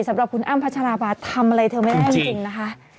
สำหรับคุณอ้ำพัชราบาลทำอะไรเธอไม่ได้จริงนะคะ